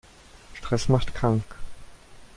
Stress macht krank.